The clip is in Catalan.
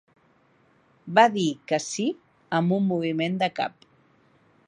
Va dir que sí amb un moviment de cap.